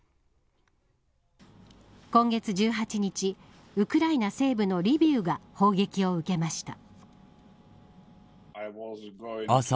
今月１８日ウクライナ西部のリビウが砲撃を受けました。